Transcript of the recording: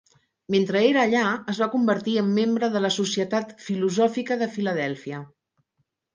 Mentre era allà, es va convertir en membre de la Societat Filosòfica de Filadèlfia.